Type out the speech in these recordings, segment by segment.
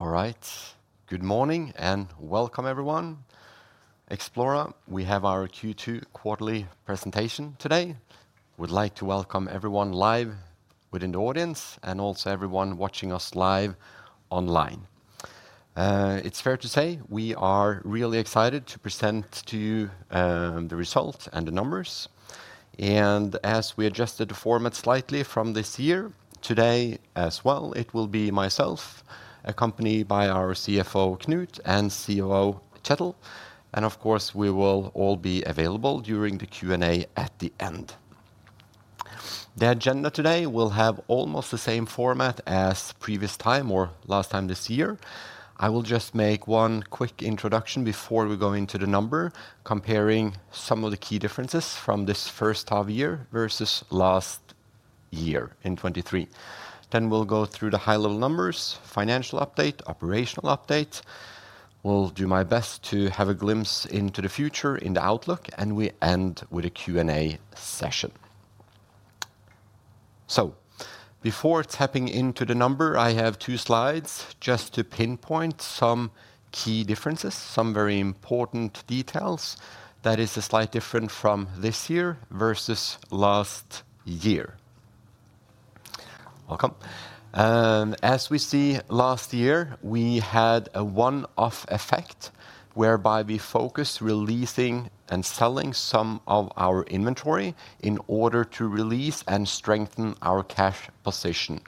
All right. Good morning, and welcome everyone. Xplora, we have our Q2 quarterly presentation today. Would like to welcome everyone live within the audience, and also everyone watching us live online. It's fair to say we are really excited to present to you the results and the numbers. And as we adjusted the format slightly from this year, today as well, it will be myself, accompanied by our CFO, Knut, and COO, Kjetil. And of course, we will all be available during the Q&A at the end. The agenda today will have almost the same format as previous time or last time this year. I will just make one quick introduction before we go into the number, comparing some of the key differences from this 1st half year versus last year, in 2023. Then we'll go through the high-level numbers, financial update, operational update. We'll do my best to have a glimpse into the future in the outlook, and we end with a Q&A session. So before tapping into the number, I have two slides just to pinpoint some key differences, some very important details that is a slight different from this year versus last year. Welcome. As we see last year, we had a one-off effect, whereby we focused releasing and selling some of our inventory in order to release and strengthen our cash position.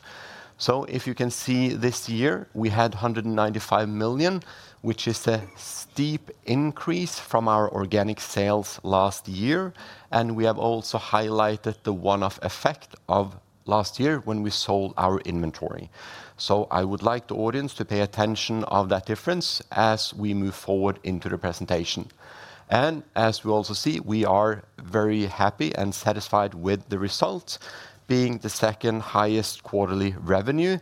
So if you can see this year, we had 195 million, which is a steep increase from our organic sales last year, and we have also highlighted the one-off effect of last year when we sold our inventory. So I would like the audience to pay attention of that difference as we move forward into the presentation. As we also see, we are very happy and satisfied with the results, being the second highest quarterly revenue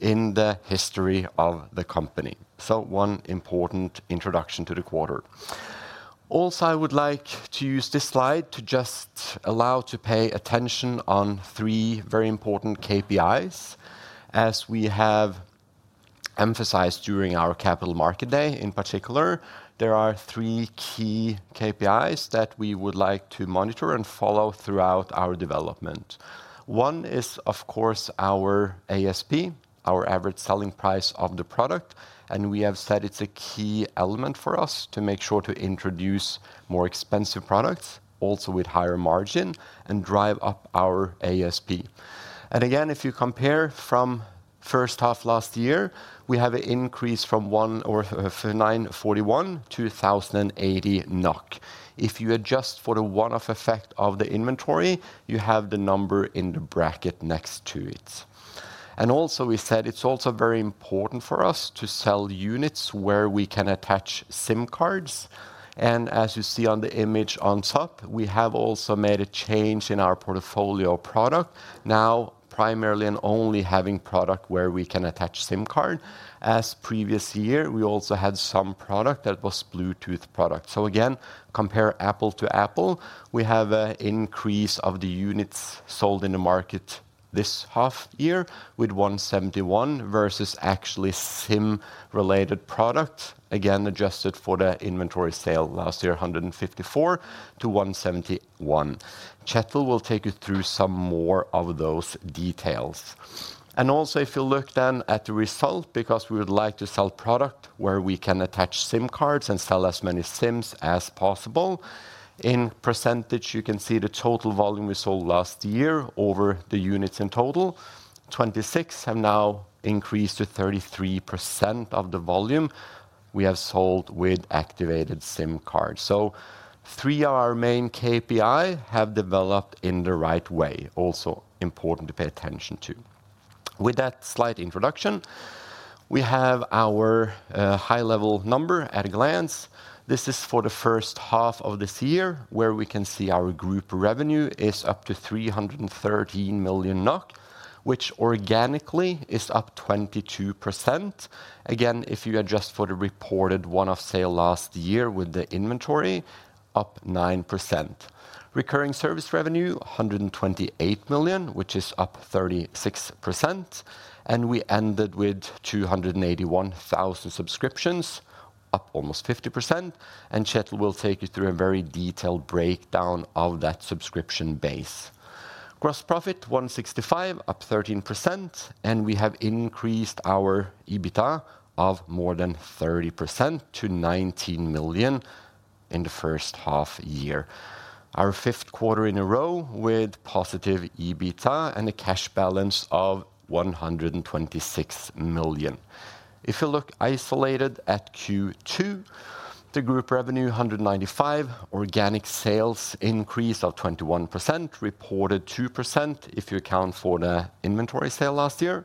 in the history of the company. One important introduction to the quarter. Also, I would like to use this slide to just allow to pay attention on three very important KPIs. As we have emphasized during our Capital Market Day, in particular, there are three key KPIs that we would like to monitor and follow throughout our development. One is, of course, our ASP, our average selling price of the product, and we have said it's a key element for us to make sure to introduce more expensive products, also with higher margin, and drive up our ASP. Again, if you compare from 1st half last year, we have an increase from 941-1,080 NOK. If you adjust for the one-off effect of the inventory, you have the number in the bracket next to it. And also, we said it's also very important for us to sell units where we can attach SIM cards. And as you see on the image on top, we have also made a change in our portfolio product, now primarily and only having product where we can attach SIM card. As previous year, we also had some product that was Bluetooth product. So again, compare apple-to-apple, we have an increase of the units sold in the market this half year, with 171 versus actually SIM-related product, again, adjusted for the inventory sale last year, 154-171. Kjetil will take you through some more of those details. And also, if you look then at the result, because we would like to sell product where we can attach SIM cards and sell as many SIMs as possible, in percentage, you can see the total volume we sold last year over the units in total. 26% have now increased to 33% of the volume we have sold with activated SIM card. So three of our main KPI have developed in the right way. Also important to pay attention to. With that slight introduction, we have our high-level number at a glance. This is for the 1st half of this year, where we can see our group revenue is up to 313 million NOK, which organically is up 22%. Again, if you adjust for the reported one-off sale last year with the inventory, up 9%. Recurring service revenue, 128 million, which is up 36%, and we ended with 281,000 subscriptions, up almost 50%, and Kjetil will take you through a very detailed breakdown of that subscription base. Gross profit, 165 million, up 13%, and we have increased our EBITDA by more than 30% to 19 million in the 1st half year. Our 5th quarter in a row with positive EBITDA and a cash balance of 126 million. If you look isolated at Q2, the group revenue, 195 million, organic sales increase of 21%, reported 2% if you account for the inventory sale last year,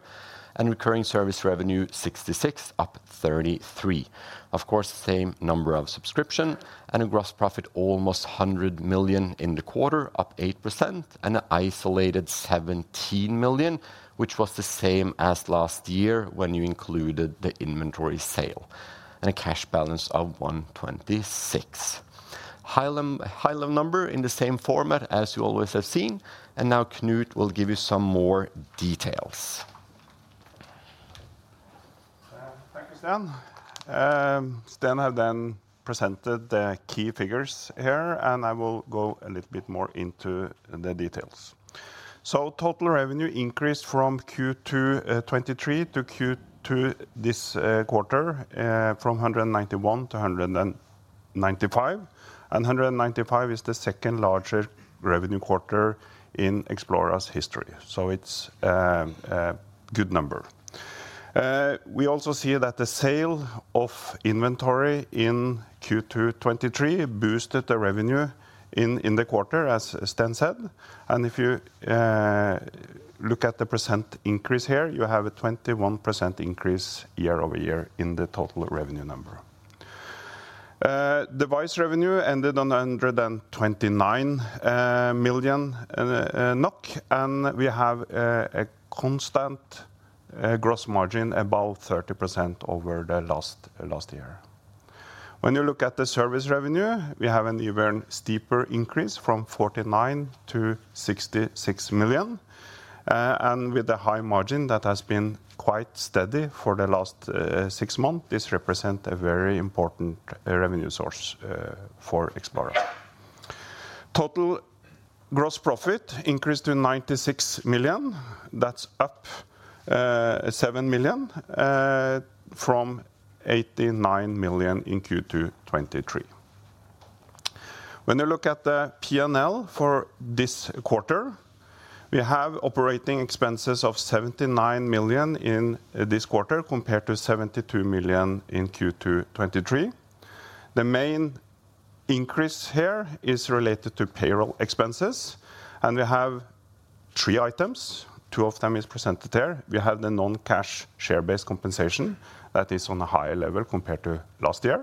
and recurring service revenue, 66 million, up 33%. Of course, the same number of subscriptions and a gross profit almost 100 million in the quarter, up 8%, and an EBITDA of 17 million, which was the same as last year when you included the inventory sale, and a cash balance of 126 million. High-level numbers in the same format as you always have seen, and now Knut will give you some more details. Thank you, Sten. Sten have then presented the key figures here, and I will go a little bit more into the details. Total revenue increased from Q2 2023 to Q2 this quarter, from 191 million-195 million. And 195 million is the second-largest revenue quarter in Xplora's history, so it's a good number. We also see that the sale of inventory in Q2 2023 boosted the revenue in the quarter, as Sten said. And if you look at the percent increase here, you have a 21% increase year-over-year in the total revenue number. Device revenue ended on NOK 129 million, and we have a constant gross margin, about 30% over the last year. When you look at the service revenue, we have an even steeper increase from 49 million-66 million. And with the high margin, that has been quite steady for the last six months, this represent a very important revenue source for Xplora. Total gross profit increased to 96 million. That's up 7 million from 89 million in Q2 2023. When you look at the P&L for this quarter, we have operating expenses of 79 million in this quarter, compared to 72 million in Q2 2023. The main increase here is related to payroll expenses, and we have three items. Two of them is presented there. We have the non-cash share-based compensation that is on a higher level compared to last year.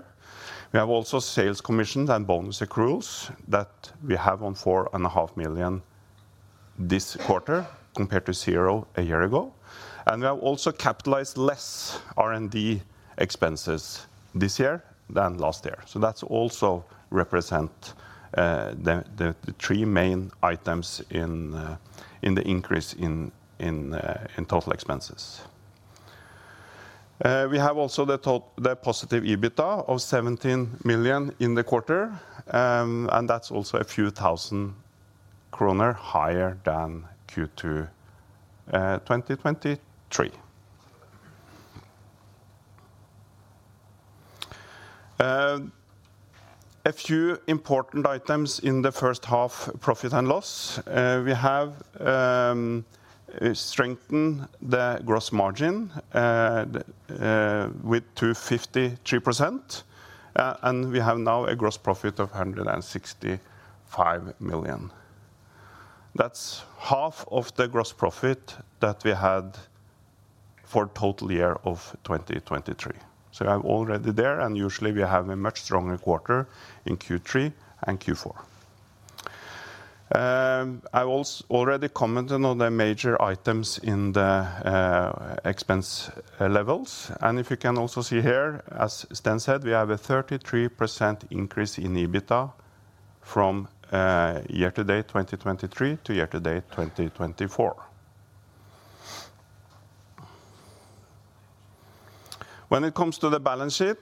We have also sales commissions and bonus accruals that we have on 4.5 million this quarter, compared to zero a year ago. And we have also capitalized less R&D expenses this year than last year, so that's also represent the three main items in the increase in total expenses. We have also the positive EBITDA of 17 million in the quarter, and that's also a few thousand NOK higher than Q2 2023. A few important items in the 1st half profit and loss. We have strengthened the gross margin with to 53%, and we have now a gross profit of 165 million. That's half of the gross profit that we had for total year of 2023. So I'm already there, and usually we have a much stronger quarter in Q3 and Q4. I already commented on the major items in the expense levels. And if you can also see here, as Sten said, we have a 33% increase in EBITDA from year-to-date 2023 to year-to-date 2024. When it comes to the balance sheet,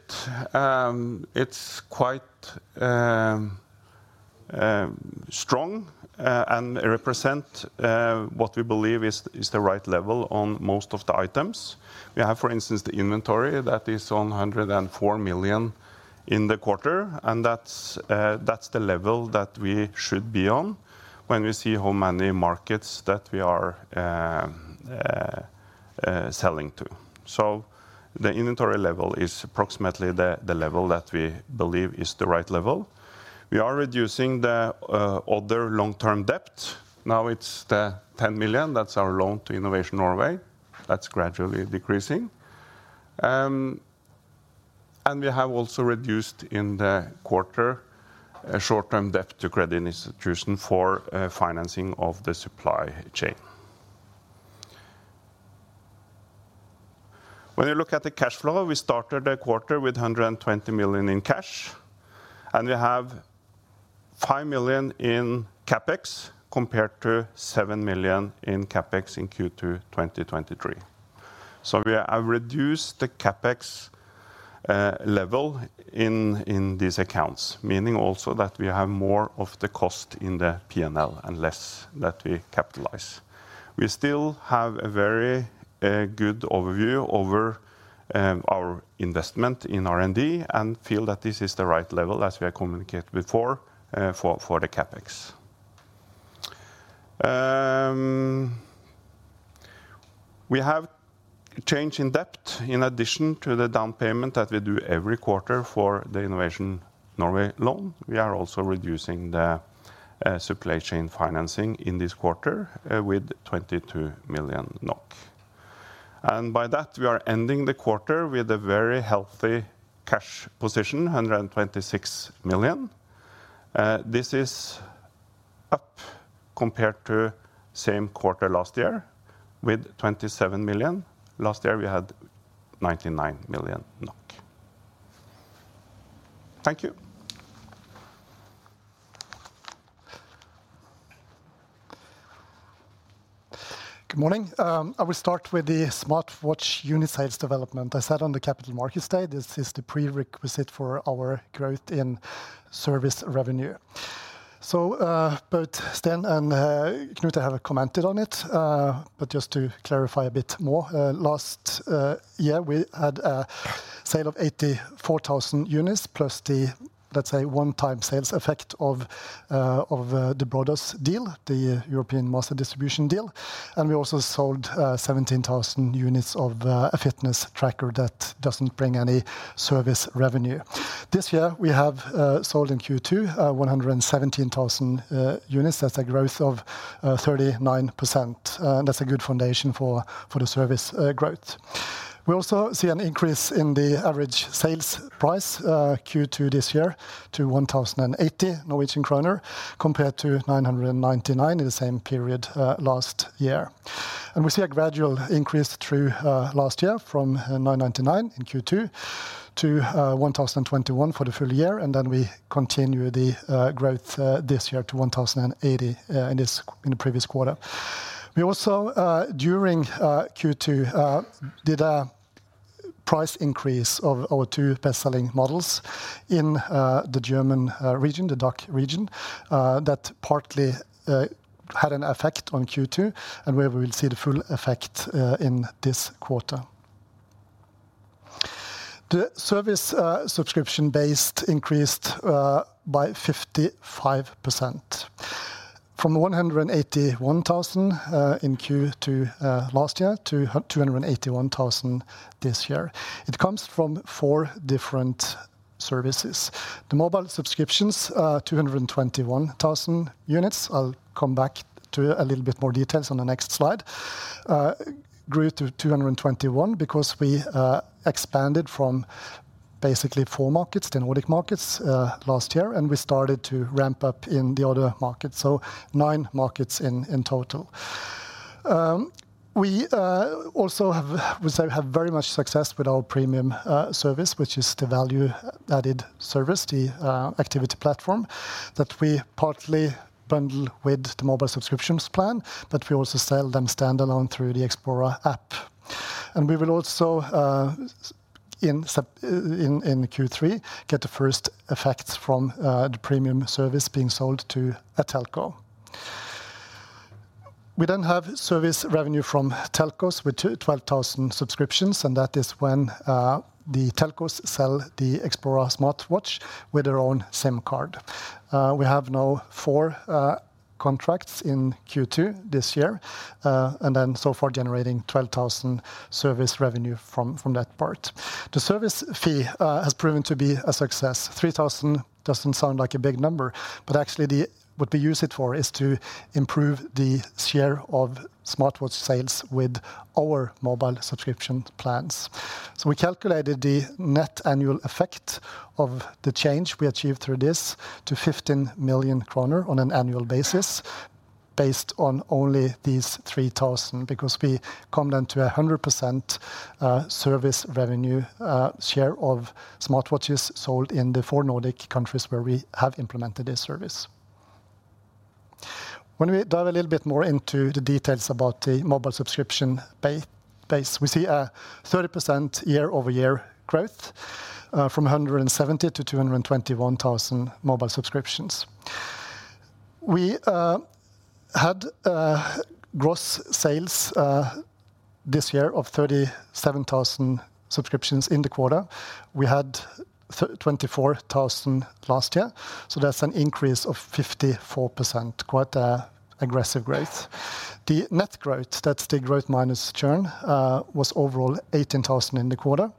it's quite strong and represent what we believe is the right level on most of the items. We have, for instance, the inventory that is on 104 million in the quarter, and that's the level that we should be on when we see how many markets that we are selling to. So the inventory level is approximately the level that we believe is the right level. We are reducing the other long-term debt. Now, it's the 10 million. That's our loan to Innovation Norway. That's gradually decreasing. And we have also reduced in the quarter a short-term debt to credit institution for financing of the supply chain. When you look at the cash flow, we started the quarter with 120 million in cash, and we have 5 million in CapEx compared to 7 million in CapEx in Q2 2023. So we have reduced the CapEx level in these accounts, meaning also that we have more of the cost in the P&L and less that we capitalize. We still have a very good overview over our investment in R&D and feel that this is the right level, as we have communicated before, for the CapEx. We have change in debt. In addition to the down payment that we do every quarter for the Innovation Norway loan, we are also reducing the supply chain financing in this quarter with 22 million NOK. And by that, we are ending the quarter with a very healthy cash position, 126 million. This is, compared to same quarter last year with 27 million. Last year, we had 99 million NOK. Thank you. Good morning. I will start with the smartwatch unit sales development. I said on the capital market stage, this is the prerequisite for our growth in service revenue. So, both Sten and Knut have commented on it, but just to clarify a bit more, last year, we had a sale of 84,000 units, plus the, let's say, one-time sales effect of the Brodos deal, the European master distribution deal. And we also sold 17,000 units of a fitness tracker that doesn't bring any service revenue. This year, we have sold in Q2 117,000 units. That's a growth of 39%. That's a good foundation for the service growth. We also see an increase in the average sales price Q2 this year to 1,080 Norwegian kroner, compared to 999 in the same period last year. We see a gradual increase through last year from 999 in Q2 to 1,021 for the full year, and then we continue the growth this year to 1,080 in the previous quarter. We also during Q2 did a price increase of our two bestselling models in the German region, the DACH region, that partly had an effect on Q2, and where we will see the full effect in this quarter. The service subscription base increased by 55%. From 181,000 in Q2 last year to 281,000 this year. It comes from four different services. The mobile subscriptions, 221,000 units, I'll come back to a little bit more details on the next slide, grew to 221,000 because we expanded from basically four markets, the Nordic markets, last year, and we started to ramp up in the other markets, so nine markets in total. We also have, we have very much success with our premium service, which is the value-added service, the activity platform, that we partly bundle with the mobile subscriptions plan, but we also sell them standalone through the Xplora app. And we will also in Q3 get the first effects from the premium service being sold to a telco. We now have service revenue from telcos with 12,000 subscriptions, and that is when the telcos sell the Xplora smartwatch with their own SIM card. We have now 4 contracts in Q2 this year, and so far generating 12,000 service revenue from that part. The service fee has proven to be a success. 3,000 doesn't sound like a big number, but actually, what we use it for is to improve the share of smartwatch sales with our mobile subscription plans. So we calculated the net annual effect of the change we achieved through this to 15 million kroner on an annual basis, based on only these 3,000, because we come down to 100% service revenue share of smartwatches sold in the four Nordic countries where we have implemented this service. When we dive a little bit more into the details about the mobile subscription base, we see a 30% year-over-year growth, from 170,000-221,000 mobile subscriptions. We had gross sales this year of 37,000 subscriptions in the quarter. We had 24,000 last year, so that's an increase of 54%. Quite aggressive growth. The net growth, that's the growth minus churn, was overall 18,000 in the quarter.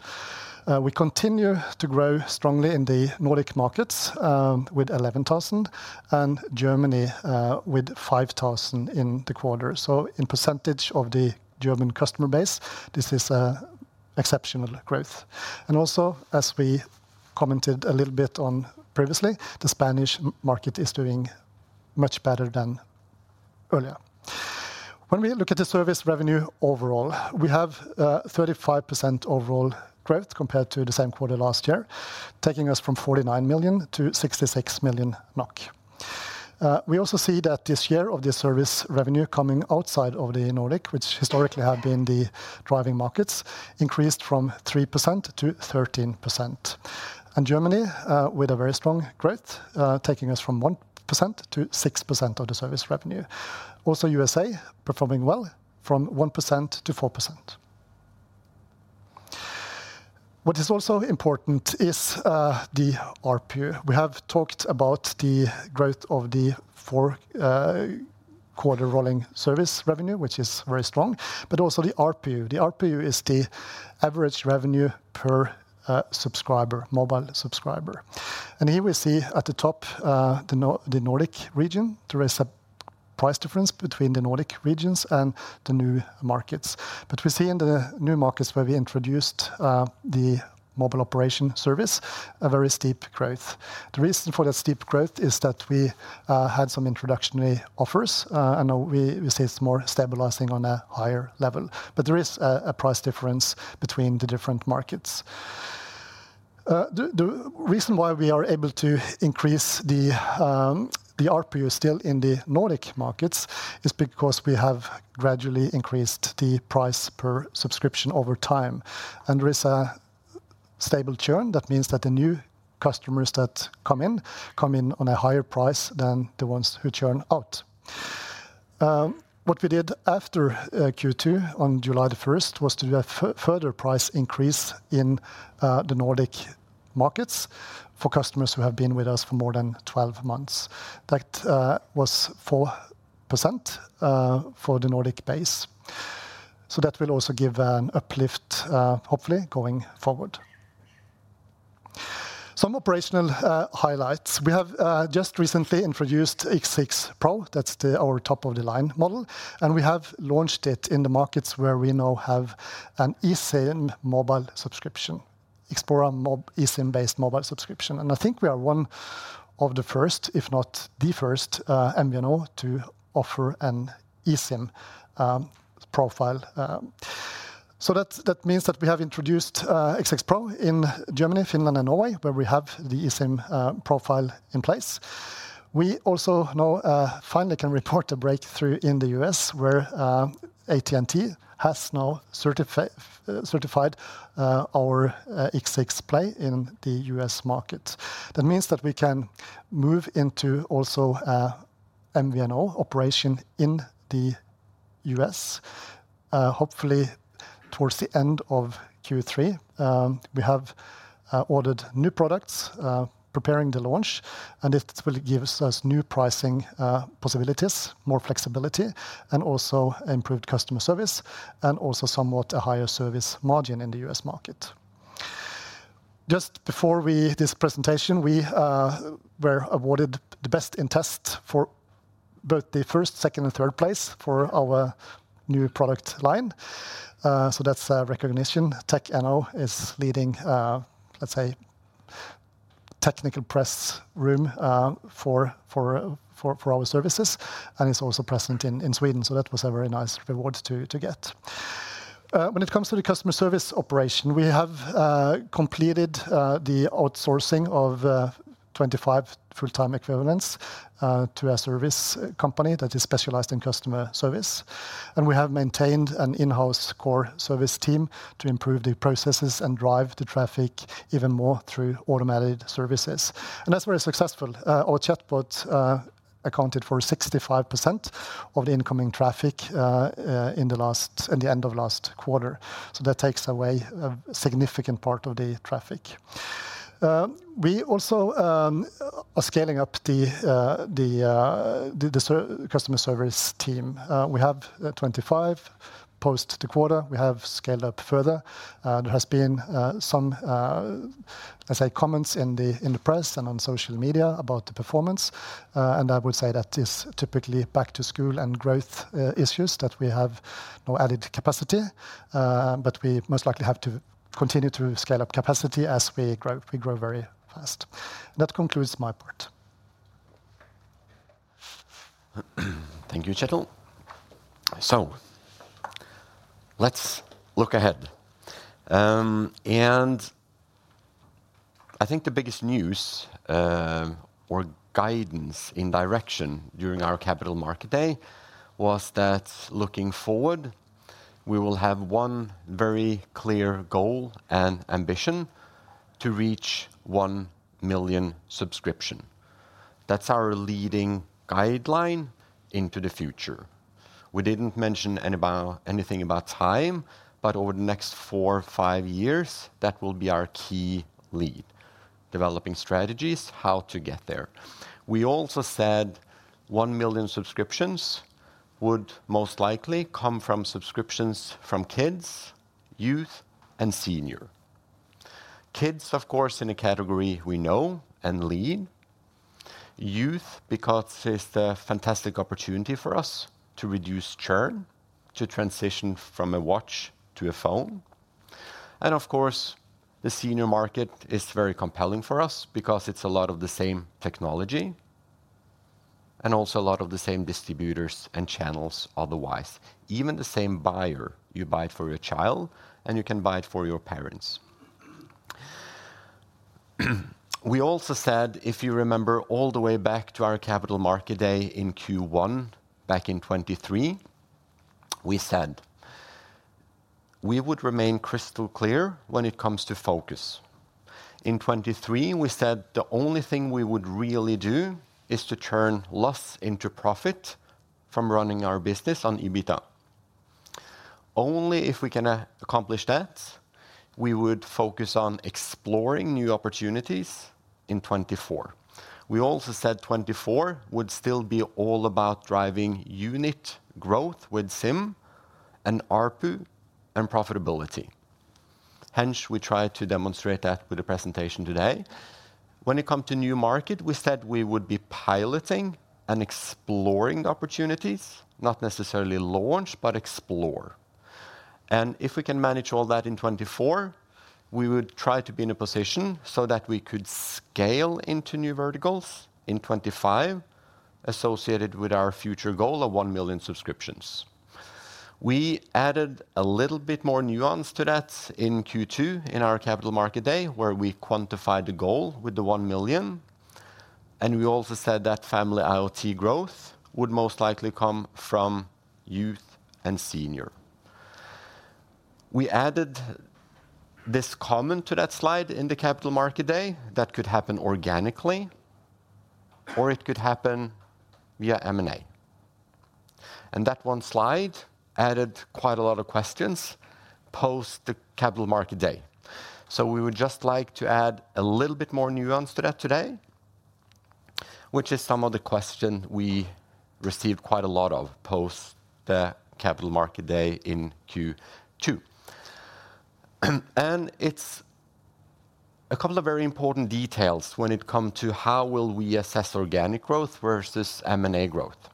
We continue to grow strongly in the Nordic markets with 11,000, and Germany with 5,000 in the quarter. So in percentage of the German customer base, this is an exceptional growth. And also, as we commented a little bit on previously, the Spanish market is doing much better than earlier. When we look at the service revenue overall, we have 35% overall growth compared to the same quarter last year, taking us from 49 million-66 million NOK. We also see that this year of the service revenue coming outside of the Nordic, which historically have been the driving markets, increased from 3%-13%. And Germany with a very strong growth taking us from 1%-6% of the service revenue. Also, USA performing well from 1%-4%. What is also important is the ARPU. We have talked about the growth of the 4th quarter rolling service revenue, which is very strong, but also the ARPU. The ARPU is the average revenue per subscriber, mobile subscriber. Here we see at the top the Nordic region, there is a price difference between the Nordic regions and the new markets. But we see in the new markets where we introduced the mobile operation service, a very steep growth. The reason for that steep growth is that we had some introductory offers, and now we see it's more stabilizing on a higher level. But there is a price difference between the different markets. The reason why we are able to increase the RPU still in the Nordic markets is because we have gradually increased the price per subscription over time, and there is a stable churn. That means that the new customers that come in come in on a higher price than the ones who churn out. What we did after Q2, on July 1st, was to do a further price increase in the Nordic markets for customers who have been with us for more than 12 months. That was 4% for the Nordic base. So that will also give an uplift, hopefully going forward. Some operational highlights. We have just recently introduced X6 Pro, that's our top-of-the-line model, and we have launched it in the markets where we now have an eSIM mobile subscription, Xplora eSIM-based mobile subscription. I think we are one of the first, if not the first, MVNO to offer an eSIM profile. So that means that we have introduced X6 Pro in Germany, Finland, and Norway, where we have the eSIM profile in place. We also now finally can report a breakthrough in the U.S., where AT&T has now certified our X6 Play in the U.S. market. That means that we can move into also MVNO operation in the U.S., hopefully towards the end of Q3. We have ordered new products, preparing the launch, and it will give us new pricing possibilities, more flexibility, and also improved customer service, and also somewhat a higher service margin in the U.S. market. Just before this presentation, we were awarded the Best in Test for both the first, second, and third place for our new product line. So that's a recognition. Tek.no is leading, let's say, technical press for our services, and it's also present in Sweden, so that was a very nice reward to get. When it comes to the customer service operation, we have completed the outsourcing of 25 full-time equivalents to a service company that is specialized in customer service. We have maintained an in-house core service team to improve the processes and drive the traffic even more through automated services. That's very successful. Our chatbot accounted for 65% of the incoming traffic in the end of last quarter, so that takes away a significant part of the traffic. We also are scaling up the customer service team. We have 25. Post the quarter, we have scaled up further. There has been some I say comments in the press and on social media about the performance, and I would say that is typically back to school and growth issues that we have no added capacity. But we most likely have to continue to scale up capacity as we grow; we grow very fast. That concludes my part. Thank you, Kjetil. So let's look ahead. And I think the biggest news, or guidance in direction during our Capital Market Day, was that looking forward, we will have one very clear goal and ambition: to reach 1 million subscription. That's our leading guideline into the future. We didn't mention anything about time, but over the next 4, 5 years, that will be our key lead, developing strategies how to get there. We also said 1 million subscriptions would most likely come from subscriptions from kids, youth, and senior. Kids, of course, in a category we know and lead. Youth, because it's a fantastic opportunity for us to reduce churn, to transition from a watch to a phone. Of course, the senior market is very compelling for us because it's a lot of the same technology, and also a lot of the same distributors and channels otherwise. Even the same buyer, you buy it for your child, and you can buy it for your parents. We also said, if you remember, all the way back to our Capital Market Day in Q1 back in 2023, we said we would remain crystal clear when it comes to focus. In 2023, we said the only thing we would really do is to turn loss into profit from running our business on EBITDA. Only if we can accomplish that, we would focus on exploring new opportunities in 2024. We also said 2024 would still be all about driving unit growth with SIM, and ARPU, and profitability. Hence, we tried to demonstrate that with the presentation today. When it comes to new market, we said we would be piloting and exploring the opportunities, not necessarily launch, but explore... and if we can manage all that in 2024, we would try to be in a position so that we could scale into new verticals in 2025, associated with our future goal of 1 million subscriptions. We added a little bit more nuance to that in Q2, in our Capital Market Day, where we quantified the goal with the 1 million, and we also said that family IoT growth would most likely come from youth and senior. We added this comment to that slide in the Capital Market Day, that could happen organically or it could happen via M&A. That one slide added quite a lot of questions post the Capital Market Day. So we would just like to add a little bit more nuance to that today, which is some of the questions we received quite a lot of post the Capital Market Day in Q2. And it's a couple of very important details when it comes to how will we assess organic growth versus M&A growth.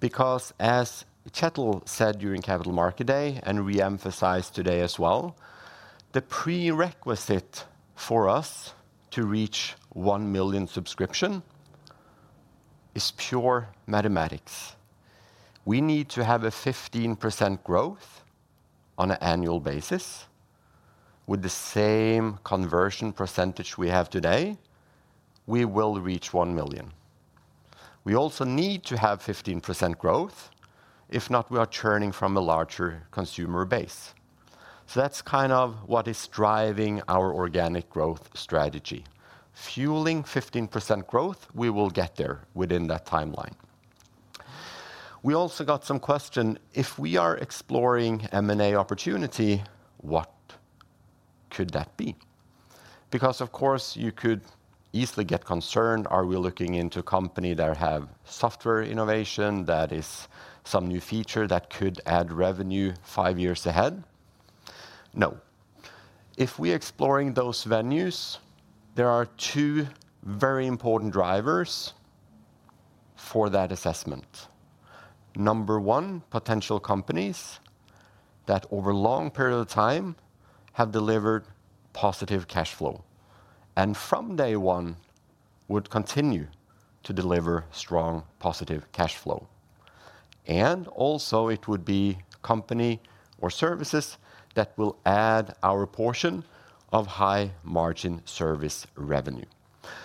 Because as Kjetil said during Capital Market Day, and re-emphasized today as well, the prerequisite for us to reach 1 million subscriptions is pure mathematics. We need to have 15% growth on an annual basis. With the same conversion percentage we have today, we will reach 1 million. We also need to have 15% growth, if not, we are churning from a larger consumer base. So that's kind of what is driving our organic growth strategy. Fueling 15% growth, we will get there within that timeline. We also got some question: if we are exploring M&A opportunity, what could that be? Because of course, you could easily get concerned, are we looking into a company that have software innovation, that is some new feature that could add revenue five years ahead? No. If we're exploring those venues, there are two very important drivers for that assessment. Number one, potential companies that, over a long period of time, have delivered positive cash flow, and from day one would continue to deliver strong, positive cash flow. And also, it would be company or services that will add our portion of high-margin service revenue.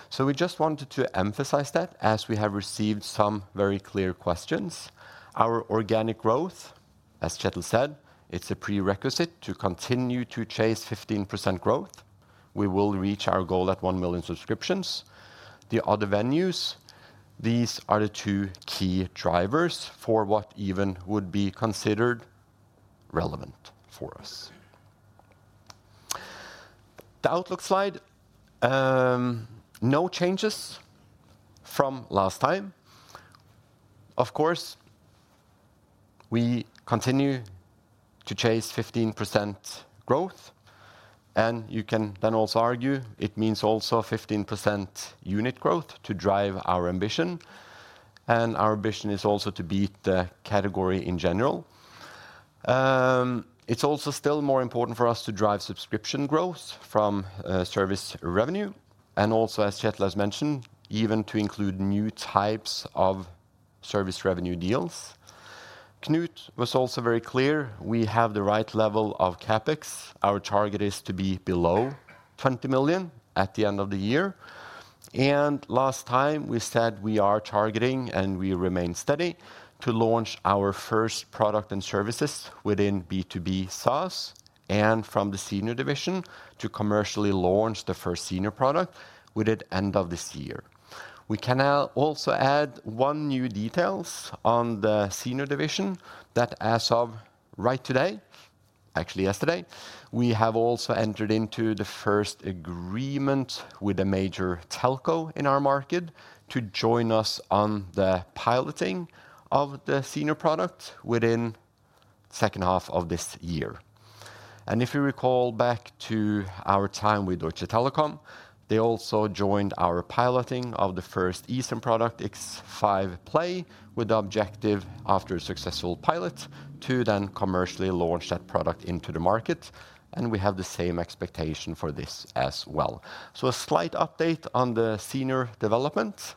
So we just wanted to emphasize that, as we have received some very clear questions. Our organic growth, as Kjetil said, it's a prerequisite to continue to chase 15% growth. We will reach our goal at 1 million subscriptions. The other venues, these are the two key drivers for what even would be considered relevant for us. The outlook slide, no changes from last time. Of course, we continue to chase 15% growth, and you can then also argue it means also 15% unit growth to drive our ambition, and our ambition is also to beat the category in general. It's also still more important for us to drive subscription growth from service revenue, and also, as Kjetil has mentioned, even to include new types of service revenue deals. Knut was also very clear, we have the right level of CapEx. Our target is to be below 20 million at the end of the year. Last time we said we are targeting, and we remain steady, to launch our first product and services within B2B SaaS, and from the senior division to commercially launch the first senior product with the end of this year. We can now also add one new details on the senior division, that as of right today, actually yesterday, we have also entered into the first agreement with a major telco in our market to join us on the piloting of the senior product within 2nd half of this year. If you recall back to our time with Deutsche Telekom, they also joined our piloting of the first eSIM product, X5 Play, with the objective, after a successful pilot, to then commercially launch that product into the market, and we have the same expectation for this as well. A slight update on the senior development,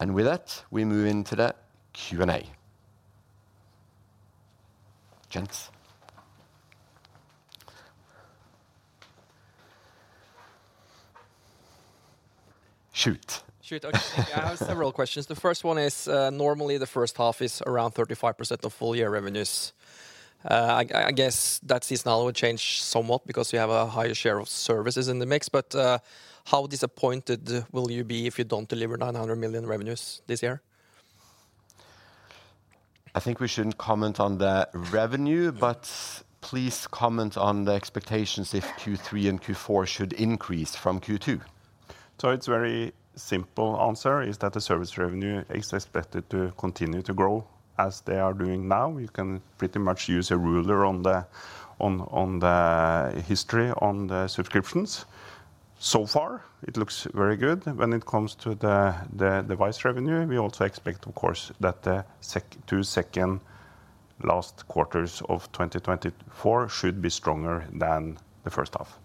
and with that, we move into the Q&A. Gents? Shoot. Shoot. Okay, I have several questions. The first one is, normally the 1st half is around 35% of full year revenues. I guess that seasonal will change somewhat because you have a higher share of services in the mix, but, how disappointed will you be if you don't deliver 900 million revenues this year? I think we shouldn't comment on the revenue but please comment on the expectations if Q3 and Q4 should increase from Q2? It's a very simple answer: the service revenue is expected to continue to grow as they are doing now. You can pretty much use a ruler on the history on the subscriptions. So far, it looks very good when it comes to the device revenue. We also expect, of course, that the second last quarters of 2024 should be stronger than the 1st half.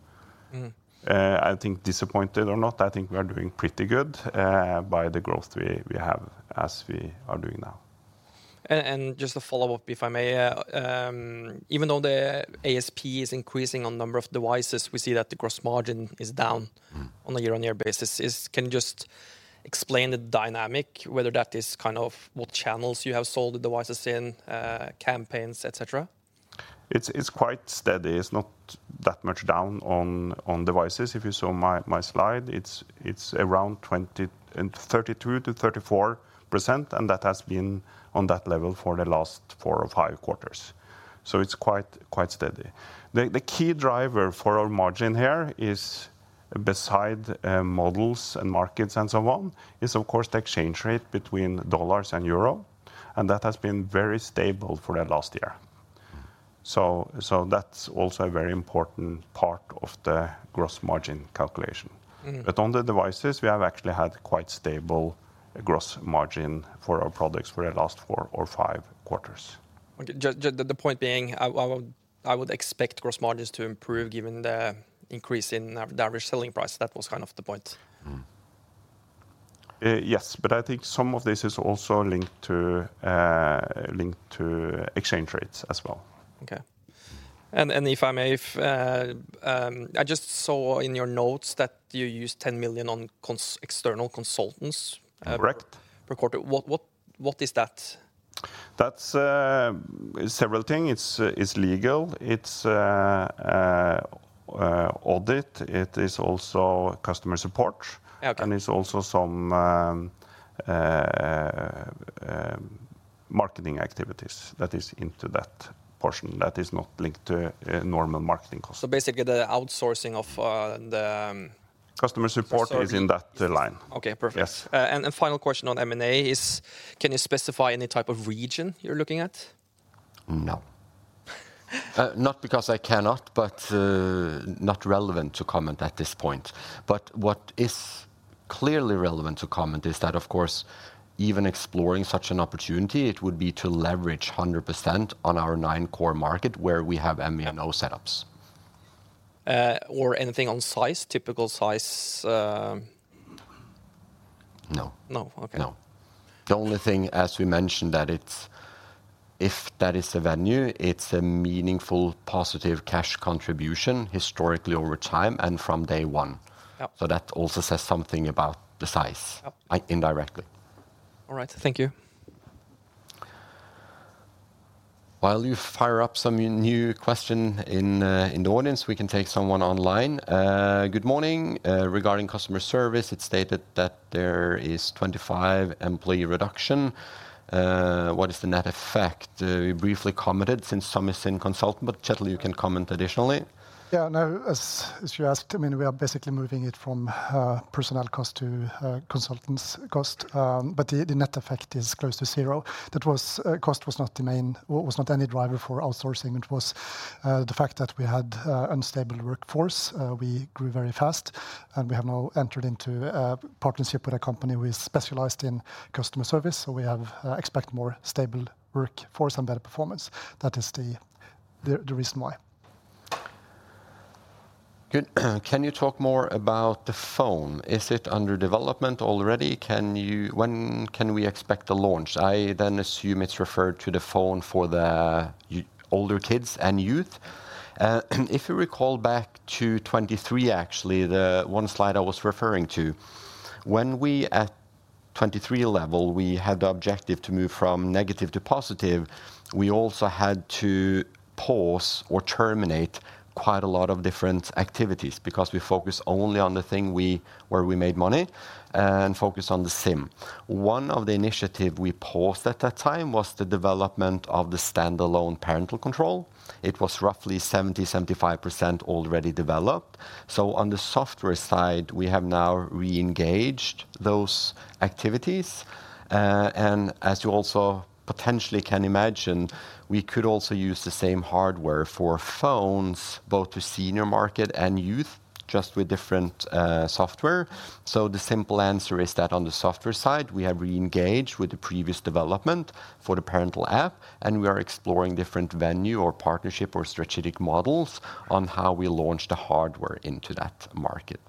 I think disappointed or not, I think we are doing pretty good by the growth we have as we are doing now. Just a follow-up, if I may. Even though the ASP is increasing on number of devices, we see that the gross margin is down. on a year-on-year basis. Can you just explain the dynamic, whether that is kind of what channels you have sold the devices in, campaigns, et cetera? It's quite steady. It's not that much down on devices. If you saw my slide, it's around 20% and 32%-34%, and that has been on that level for the last 4 or 5 quarters. So it's quite steady. The key driver for our margin here is, beside models and markets and so on, of course the exchange rate between dollars and euro, and that has been very stable for the last year. So that's also a very important part of the gross margin calculation. On the devices, we have actually had quite stable gross margin for our products for the last 4 or 5 quarters. Okay, the point being, I would expect gross margins to improve given the increase in average selling price. That was kind of the point. Yes, but I think some of this is also linked to exchange rates as well. Okay. And if I may, I just saw in your notes that you used 10 million on external consultants. Correct Per quarter. What is that? That's several things. It's legal, it's audit, it is also customer support. Okay. And it's also some marketing activities that is into that portion, that is not linked to normal marketing costs. So basically, the outsourcing of the customer support, Is in that line. Okay, perfect. Yes. Final question on M&A is, can you specify any type of region you're looking at? No. Not because I cannot, but, not relevant to comment at this point. But what is clearly relevant to comment is that, of course, even exploring such an opportunity, it would be to leverage 100% on our nine core market, where we have MVNO setups. Or anything on size, typical size.. No. No? Okay. No. The only thing, as we mentioned, that it's, if that is a venue, it's a meaningful positive cash contribution historically over time and from day one. So that also says something about the size indirectly. All right, thank you. While you fire up some new question in, in the audience, we can take someone online. "Good morning. Regarding customer service, it stated that there is 25 employee reduction. What is the net effect?" You briefly commented since some is in consultant, but Kjetil, you can comment additionally. Yeah, no, as you asked, I mean, we are basically moving it from personnel cost to consultants cost. But the net effect is close to zero. That was cost was not the main... was not any driver for outsourcing. It was the fact that we had unstable workforce. We grew very fast, and we have now entered into a partnership with a company who is specialized in customer service, so we have expect more stable workforce and better performance. That is the reason why. Good. "Can you talk more about the phone? Is it under development already? Can you, When can we expect the launch?" I then assume it's referred to the phone for the older kids and youth. If you recall back to 2023, actually, the one slide I was referring to, when we, at 2023 level, we had the objective to move from negative to positive, we also had to pause or terminate quite a lot of different activities, because we focused only on the thing where we made money, and focused on the SIM. One of the initiative we paused at that time was the development of the standalone parental control. It was roughly 70%-75% already developed. So on the software side, we have now re-engaged those activities. And as you also potentially can imagine, we could also use the same hardware for phones, both to senior market and youth, just with different software. So the simple answer is that on the software side, we have re-engaged with the previous development for the parental app, and we are exploring different avenue or partnership or strategic models on how we launch the hardware into that market.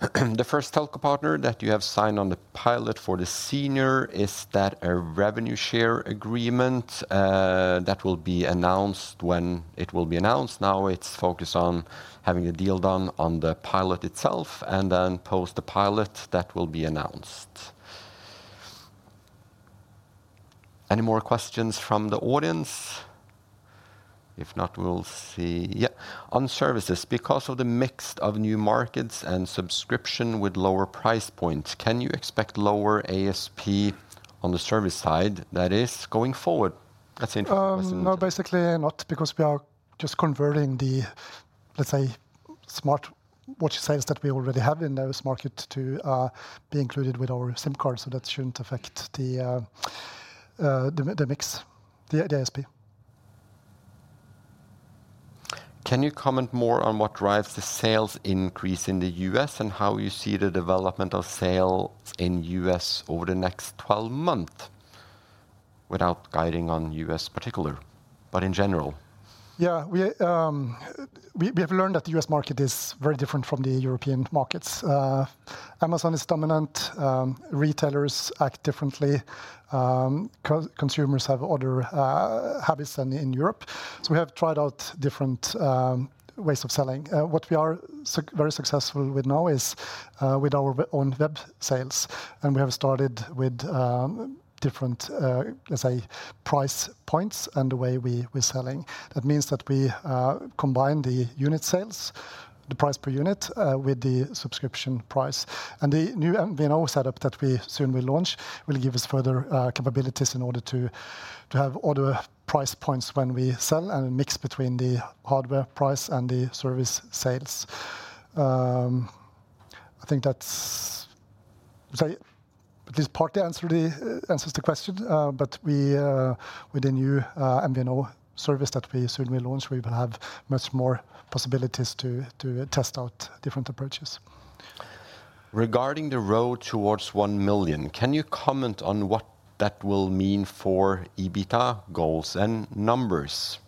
"The first telco partner that you have signed on the pilot for the senior, is that a revenue share agreement?" That will be announced when it will be announced. Now, it's focused on having a deal done on the pilot itself, and then post the pilot, that will be announced. Any more questions from the audience? If not, we'll see... Yeah. On services, because of the mix of new markets and subscription with lower price points, can you expect lower ASP on the service side, that is, going forward?" That's in- No, basically not, because we are just converting the, let's say, smart watch sales that we already have in those market to be included with our SIM cards, so that shouldn't affect the mix, the ASP. Can you comment more on what drives the sales increase in the U.S., and how you see the development of sales in U.S. over the next 12 month? Without guiding on U.S. particular, but in general. Yeah, we have learned that the U.S. market is very different from the European markets. Amazon is dominant, retailers act differently, consumers have other habits than in Europe. So we have tried out different ways of selling. What we are very successful with now is with our own web sales, and we have started with different, let's say, price points and the way we're selling. That means that we combine the unit sales, the price per unit with the subscription price. And the new MVNO setup that we soon will launch will give us further capabilities in order to have other price points when we sell, and a mix between the hardware price and the service sales. I think that's... Sorry, this partly answers the question. But we, with the new MVNO service that we soon will launch, we will have much more possibilities to test out different approaches. Regarding the road towards 1 million, can you comment on what that will mean for EBITDA goals and numbers,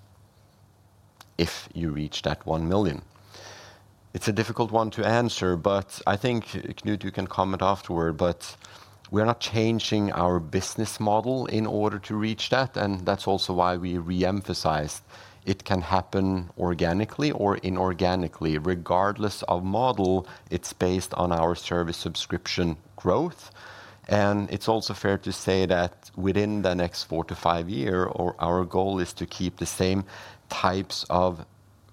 if you reach that 1 million? It's a difficult one to answer, but I think, Knut, you can comment afterward. But we are not changing our business model in order to reach that, and that's also why we re-emphasize it can happen organically or inorganically. Regardless of model, it's based on our service subscription growth. And it's also fair to say that within the next 4 to 5 years, our goal is to keep the same types of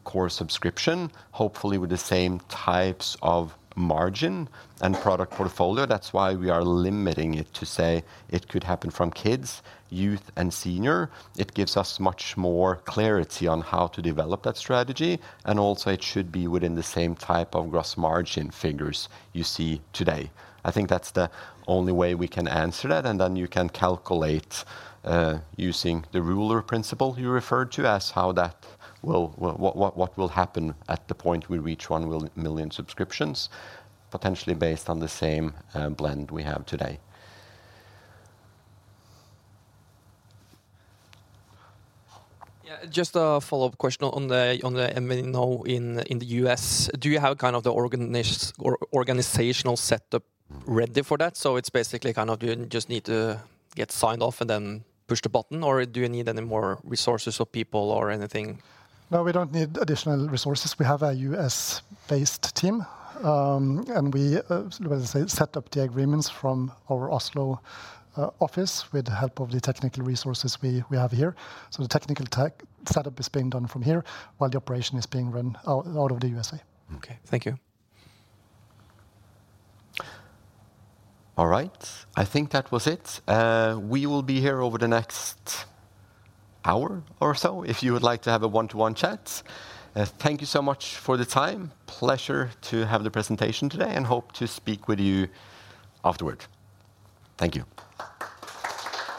core subscription, hopefully with the same types of margin and product portfolio. That's why we are limiting it to say it could happen from kids, youth, and senior. It gives us much more clarity on how to develop that strategy, and also it should be within the same type of gross margin figures you see today. I think that's the only way we can answer that, and then you can calculate using the ruler principle you referred to, as how that will... what will happen at the point we reach 1 million subscriptions, potentially based on the same blend we have today. Yeah, just a follow-up question on the MVNO in the U.S. Do you have kind of the organizational setup ready for that? So it's basically, kind of, you just need to get signed off and then push the button, or do you need any more resources or people or anything? No, we don't need additional resources. We have a U.S.-based team, and we, as I say, set up the agreements from our Oslo office with the help of the technical resources we have here. So the technical tech setup is being done from here, while the operation is being run out of the USA. Okay, thank you. All right. I think that was it. We will be here over the next hour or so, if you would like to have a one-to-one chat. Thank you so much for the time. Pleasure to have the presentation today, and hope to speak with you afterward. Thank you.